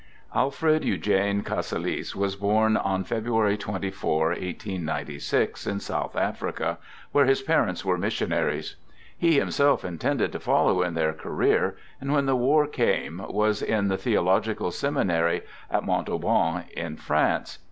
Alfred Eugene Casalis was born on February 24, 1896, in South Africa, where his parents were mis sionaries. He himself intended to follow in their career, and when the war came was in the Theo logical Seminary at Montauban in France.